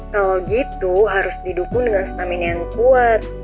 kalau gitu harus didukung dengan stamina yang kuat